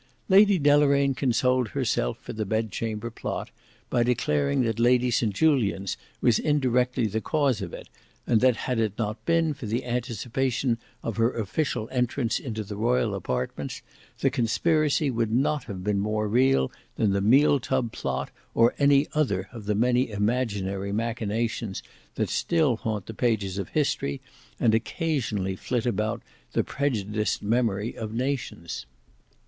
Lady Deloraine consoled herself for the "Bedchamber Plot" by declaring that Lady St Julians was indirectly the cause of it, and that had it not been for the anticipation of her official entrance into the royal apartments the conspiracy would not have been more real than the Meal tub plot or any other of the many imaginary machinations that still haunt the page of history, and occasionally flit about the prejudiced memory of nations.